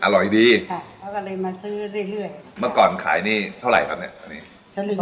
อร่อยดีค่ะเขาก็เลยมาซื้อเรื่อยเรื่อยเมื่อก่อนขายนี่เท่าไหร่ครับเนี้ย